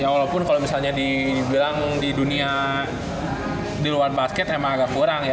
walaupun kalau misalnya dibilang di dunia di luar basket emang agak kurang ya